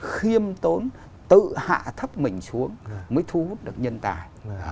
khiêm tốn tự hạ thấp mình xuống mới thu hút được nhân tài